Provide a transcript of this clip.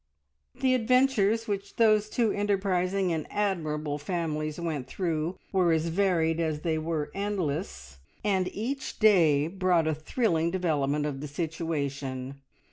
The adventures which those two enterprising and admirable families went through, were as varied as they were endless, and each day brought a thrilling development of the situation.